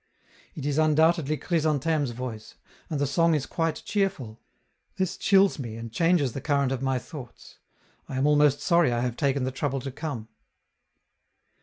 It is undoubtedly Chrysantheme's voice, and the song is quite cheerful! This chills me and changes the current of my thoughts. I am almost sorry I have taken the trouble to come.